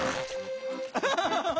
アハハハハハ！